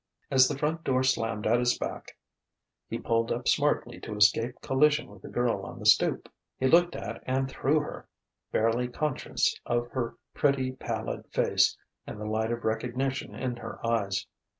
As the front door slammed at his back, he pulled up smartly to escape collision with the girl on the stoop. He looked at and through her, barely conscious of her pretty, pallid face and the light of recognition in her eyes.